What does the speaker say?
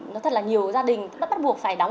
nói thật là nhiều gia đình bắt buộc phải đóng